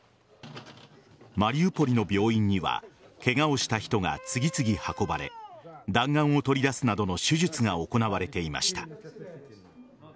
マリウポリの病院にはケガをした人が次々運ばれ弾丸を取り出すなどの手術が行われていました。